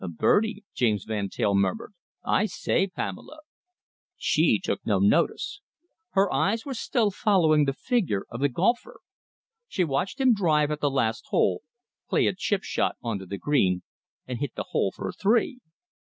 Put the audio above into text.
"A birdie," James Van Teyl murmured. "I say, Pamela!" She took no notice. Her eyes were still following the figure of the golfer. She watched him drive at the last hole, play a chip shot on to the green, and hit the hole for a three.